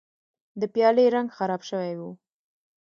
د پیالې رنګ خراب شوی و.